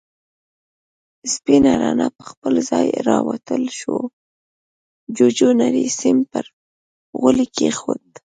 سپينه رڼا پر خپل ځای را تاوه شوه، جُوجُو نری سيم پر غولي کېښود.